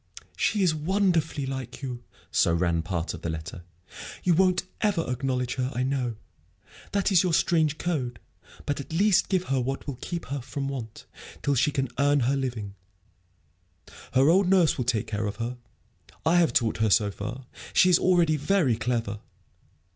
"She is wonderfully like you," so ran part of the letter. "You won't ever acknowledge her, I know. That is your strange code. But at least give her what will keep her from want, till she can earn her living. Her old nurse will take care of her, I have taught her, so far. She is already very clever.